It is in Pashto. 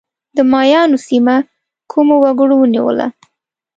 د مایایانو سیمه کومو وګړو ونیوله؟